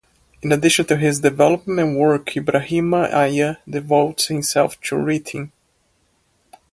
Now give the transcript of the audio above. In addition to his development work Ibrahima Aya devotes himself to writing.